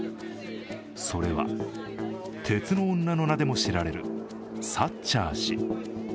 それは、鉄の女の名でも知られるサッチャー氏。